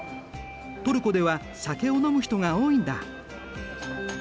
トルコでは酒を飲む人が多いんだ。